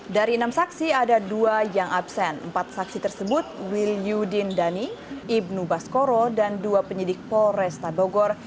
dari enam saksi ada dua yang absen empat saksi tersebut wil yudin dhani ibnu baskoro dan dua penyidik polresta bogor